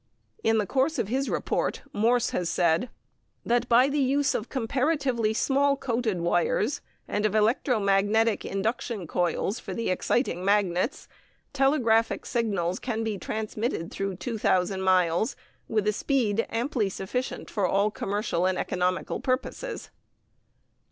In the course of his report Morse had said: That by the use of comparatively small coated wires, and of electro magnetic induction coils for the exciting magnets, telegraphic signals can be transmitted through two thousand miles, with a speed amply sufficient for all commercial and economical purposes.